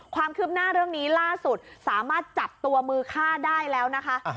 ความคืบหน้าเรื่องนี้ล่าสุดสามารถจับตัวมือฆ่าได้แล้วนะคะ